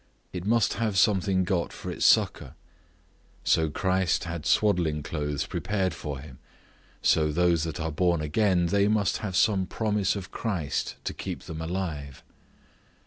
It must have something got for its succour; so Christ had swaddling clothes prepared for him; so those that are born again, they must have some promise of Christ to keep them alive.